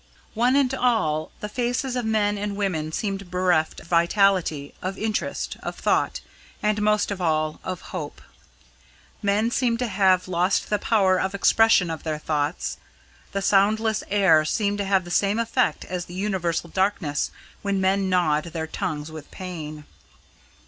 One and all, the faces of men and women seemed bereft of vitality, of interest, of thought, and, most of all, of hope. Men seemed to have lost the power of expression of their thoughts. The soundless air seemed to have the same effect as the universal darkness when men gnawed their tongues with pain.